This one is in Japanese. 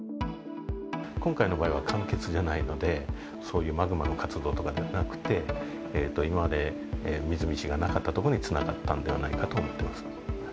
今回の場合は間欠じゃないので、そういうマグマの活動とかじゃなくて、今まで水の道がなかった所につながったんではないかと思ってます。